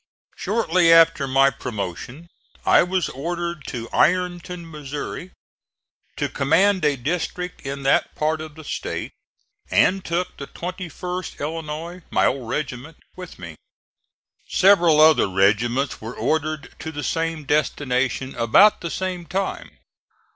Shortly after my promotion I was ordered to Ironton, Missouri, to command a district in that part of the State, and took the 21st Illinois, my old regiment, with me. Several other regiments were ordered to the same destination about the same time.